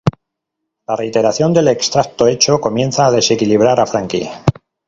La reiteración del extraño hecho comienza a desequilibrar a Frankie.